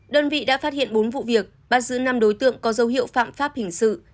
đơn vị đã phát hiện bốn vụ việc bắt giữ năm đối tượng có dấu hiệu phạm pháp hình sự